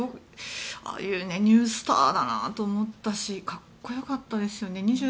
ニュースターだなと思ったしかっこよかったですよね。